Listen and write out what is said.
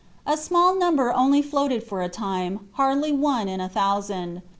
A small number only floated for a time, hardly one in a thousand.